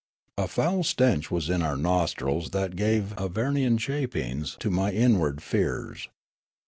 A foul stench was in our nostrils that gave Avernian shapings to my inward fears.